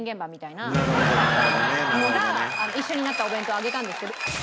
なるほどね。が一緒になったお弁当を上げたんですけど。